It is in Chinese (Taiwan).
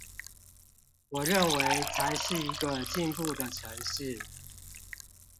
我認為才是一個進步的城市